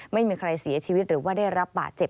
ไม่มีใครเสียชีวิตหรือว่าได้รับบาดเจ็บ